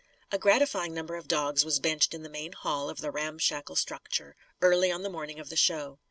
A gratifying number of dogs was benched in the main hall of the ramshackle structure; early on the morning of the show.